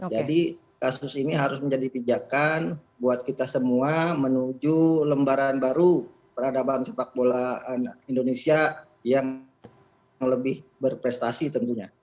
jadi kasus ini harus menjadi pinjakan buat kita semua menuju lembaran baru peradaban sepak bola indonesia yang lebih berprestasi tentunya